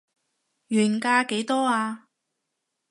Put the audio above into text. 原價幾多啊